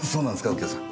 右京さん。